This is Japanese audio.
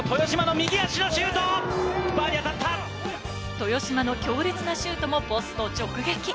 豊嶋の強烈なシュートもポスト直撃。